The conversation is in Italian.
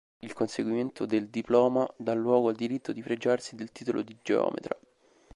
Il conseguimento del diploma dà luogo al diritto di fregiarsi del titolo di geometra.